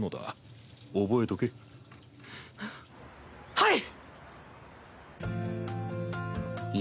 はい！